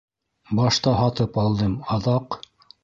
Башта һатып алдым, аҙаҡ...